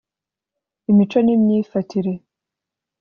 imico n’imyifatire